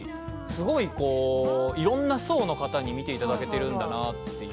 いろんな層の方に見ていただけるんだなって。